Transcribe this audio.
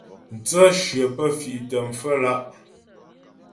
Mtsə̂shyə pə́ fì'tə pfə́lǎ'.